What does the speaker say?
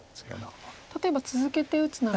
例えば続けて打つなら。